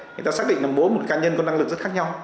người ta xác định là mỗi một cá nhân có năng lực rất khác nhau